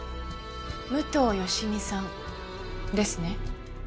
武藤良美さんですね？